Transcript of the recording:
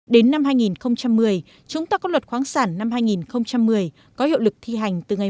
đến năm hai nghìn một mươi chúng ta có luật khoáng sản năm hai nghìn một mươi có hiệu lực thi hành từ ngày một bảy hai nghìn một mươi một